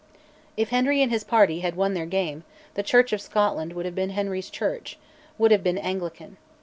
If Henry and his party had won their game, the Church of Scotland would have been Henry's Church would have been Anglican.